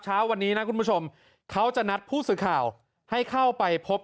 เช้าวันนี้นะคุณผู้ชมเขาจะนัดผู้สื่อข่าวให้เข้าไปพบ